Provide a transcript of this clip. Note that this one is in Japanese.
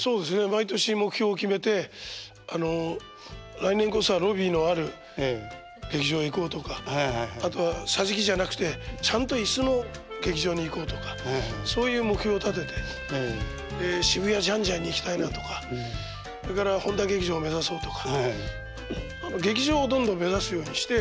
毎年目標を決めて「来年こそはロビーのある劇場へ行こう」とかあとは「桟敷じゃなくてちゃんと椅子の劇場に行こう」とかそういう目標を立てて「渋谷ジァン・ジァンに行きたいな」とかそれから「本多劇場目指そう」とか劇場をどんどん目指すようにして。